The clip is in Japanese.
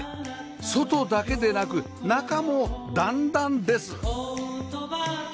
外だけでなく中も段々です